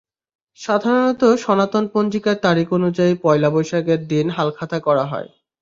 সাধারণত সনাতন পঞ্জিকার তারিখ অনুযায়ী পয়লা বৈশাখের দিন হালখাতা করা হয়।